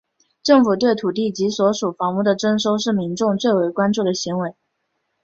政府对土地及所属房屋的征收是民众最为关注的行为。